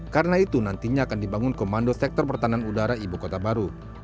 karena itu nantinya akan dibangun komando sektor pertahanan udara ibu kota baru